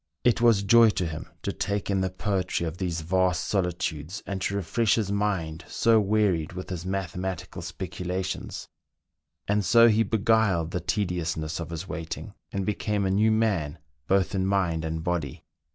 It was joy to him to take in the poetry of these vast soli tudes, and to refresh his mind, so wearied with his mathe 14 meridiana; the adventures of matical speculations; and so he beguiled the tediousness of his waiting, and became a new man, both in mind and body.